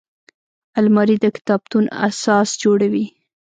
الماري د کتابتون اساس جوړوي